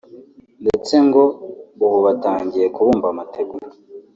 ndetse ngo ubu batangiye kubumba amategura